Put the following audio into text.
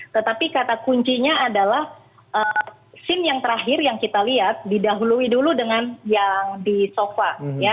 tetapi kata kuncinya adalah scene yang terakhir yang kita lihat didahului dulu dengan yang di sofa